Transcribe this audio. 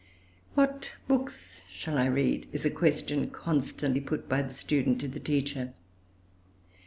What books shall I read? is a question constantly put by the student to the teacher.